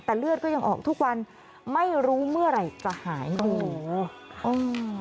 แต่เลือดก็ยังออกทุกวันไม่รู้เมื่อไหร่จะหายโอ้โห